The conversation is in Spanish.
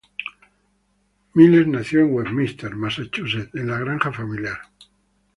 Miles nació en Westminster, Massachusetts, en la granja familiar.